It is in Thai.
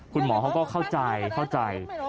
คุณหมอเขาก็เข้าใจ